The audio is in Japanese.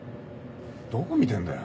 どこ見てんだよ。